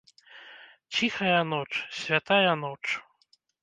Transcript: Ціхая ноч, святая ноч!